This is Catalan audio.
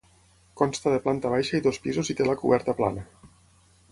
Consta de planta baixa i dos pisos i té la coberta plana.